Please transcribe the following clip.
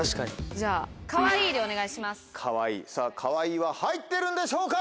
さぁ「かわいい」は入ってるんでしょうか？